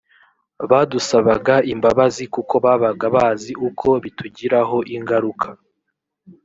badusabaga imbabazi kuko babaga bazi uko bitugiraho ingaruka